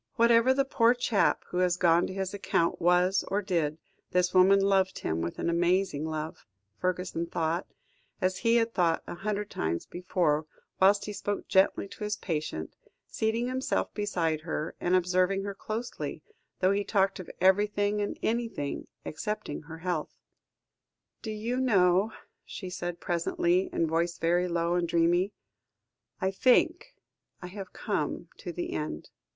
"Whatever the poor chap who has gone to his account was or did, this woman loved him with an amazing love," Fergusson thought, as he had thought a hundred times before, whilst he spoke gently to his patient, seating himself beside her, and observing her closely, though he talked of everything and anything excepting her health. "Do you know," she said presently, her voice very low and dreamy. "I think I have come to the end."